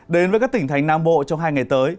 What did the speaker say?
đến với các tỉnh thành nam bộ trong hai ngày tới